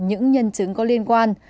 những nhân chứng có liên quan